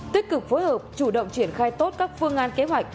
tích cực phối hợp chủ động triển khai tốt các phương án kế hoạch